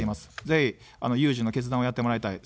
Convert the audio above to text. ぜひ有事の決断をやってもらいたい。